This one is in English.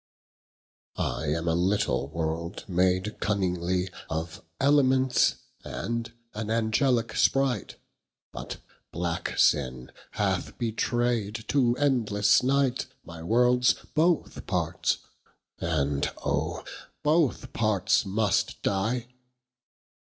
V I am a little world made cunningly Of Elements, and an Angelike spright, But black sinne hath betraid to endlesse night My worlds both parts, and oh both parts must die.